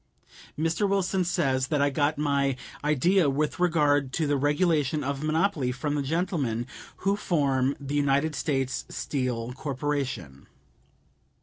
Mr. Wilson says that I got my "idea with regard to the regulation of monopoly from the gentlemen who form the United States Steel Corporation."